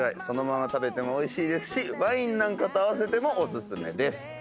そのまま食べてもおいしいですしワインなんかと合わせてもおすすめです。